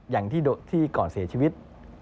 อย่างที่ก่อนเสียชีวิต